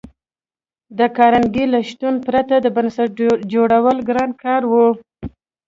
د کارنګي له شتون پرته د بنسټ جوړول ګران کار و